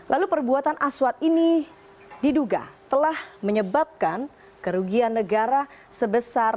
lalu perbuatan aswad ini diduga telah menyebabkan kerugian negara sebesar